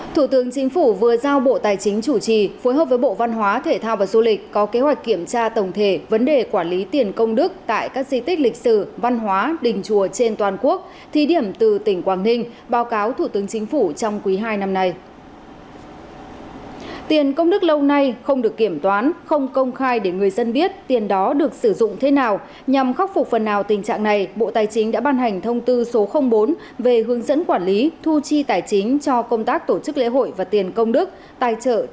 thủ tướng chính phủ vừa giao bộ tài chính chủ trì phối hợp với bộ văn hóa thể thao và du lịch có kế hoạch kiểm tra tổng thể vấn đề quản lý tiền công đức tại các di tích lịch sử văn hóa đình chùa trên toàn quốc thi điểm từ tỉnh quảng ninh báo cáo thủ tướng chính phủ trong quý hai năm nay